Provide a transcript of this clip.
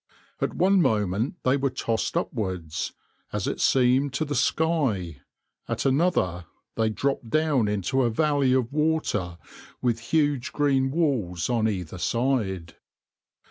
At one moment they were tossed upwards, as it seemed to the sky; at another they dropped down into a valley of water with huge green walls on either side.